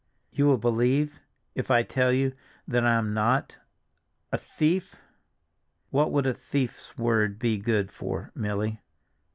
"You will believe—if I tell you—that I am not—a thief? What would a thief's word be good for, Milly?